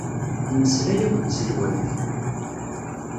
Temmeslay akked tselwayt.